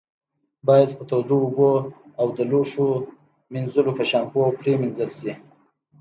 باید په تودو اوبو او د لوښو منځلو په شامپو پرېمنځل شي.